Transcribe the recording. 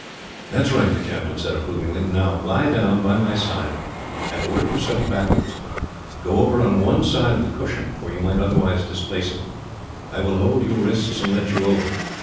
"That is right," the captain said approvingly. "Now, lie down by my side, and work yourself backwards. Go over on one side of the cushion, for you might otherwise displace it. I will hold your wrists and let you over.